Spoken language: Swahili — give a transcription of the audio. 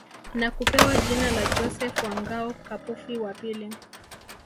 Na kupewa jina la Joseph wa Ngao Kapufi wa Pili